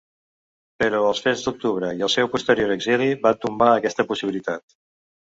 Però els fets d’octubre i el seu posterior exili van tombar aquesta possibilitat.